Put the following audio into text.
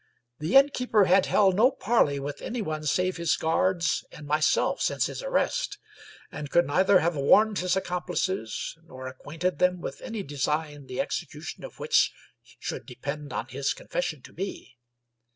The innkeeper had held no parley with anyone save his guards and myself since his arrest, and could neither have warned his accomplices, nor acquainted them with any design the execution of which should depend on his con fession to me.